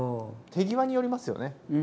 手際によりますよね。